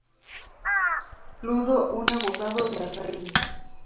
Ludo, un abogado de Reims.